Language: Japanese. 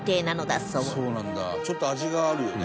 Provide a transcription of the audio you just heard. ちょっと味があるよね